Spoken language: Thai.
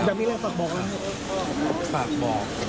ยังมีอะไรฝากบอกนะ